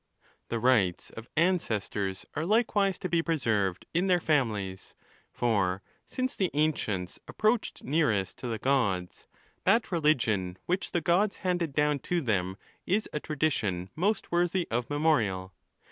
The rights of ancestors are likewise to be preserved in their families, for since the ancients approached nearest to the gods, that religion which the gods handed down to them is a tradition most worthy of memorial.